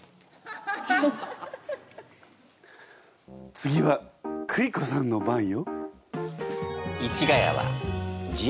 次はクリコさんの番よ。